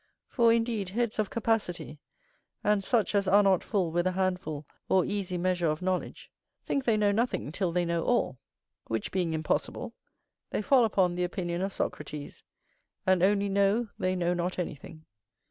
For, indeed, heads of capacity, and such as are not full with a handful or easy measure of knowledge, think they know nothing till they know all; which being impossible, they fall upon the opinion of Socrates, and only know they know not anything.